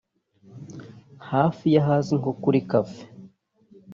hafi y’ahazwi nko kuri Café